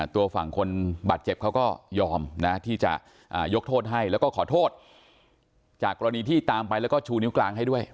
ตัวฝั่งคนบาดเจ็บเขาก็ยอมนะที่จะยกโทษให้แล้วก็ขอโทษจากกรณีที่ตามไปแล้วก็ชูนิ้วกลางให้ด้วย